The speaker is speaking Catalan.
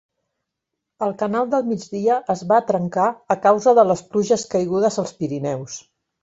El Canal del Migdia es va trencar a causa de les pluges caigudes als Pirineus.